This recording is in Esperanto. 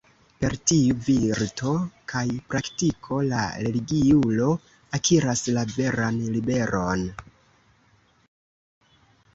Per tiu virto kaj praktiko la religiulo akiras la veran liberon.